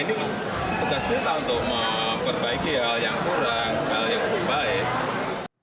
jokowi pun berencana terus memperbaiki kinerja di hampir dua tahun menjabat ini